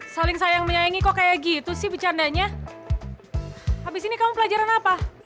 saling sayang menyayangi kok kayak gitu sih bercandanya habis ini kamu pelajaran apa